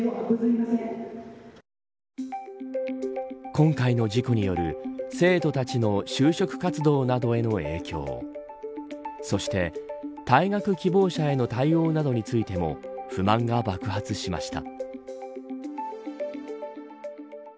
今回の事故による生徒たちの就職活動などへの影響そして、退学希望者への対応などについても不満が爆発しました。